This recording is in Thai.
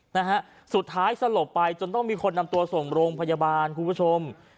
นะฮะสุดท้ายสลบไปจนต้องมีคนนำตัวส่งโรงพยาบาลคุณผู้ชม